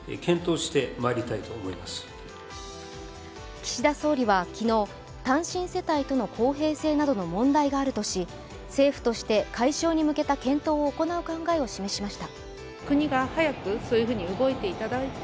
岸田総理は昨日、単身世帯との公平性などの問題があるとし、政府として、解消に向けた検討を行う考えを示しました。